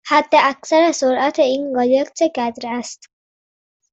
حداکثر سرعت این قایق چقدر است؟